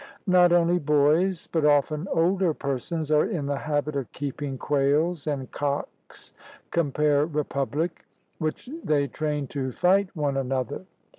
Not only boys, but often older persons, are in the habit of keeping quails and cocks (compare Republic), which they train to fight one another.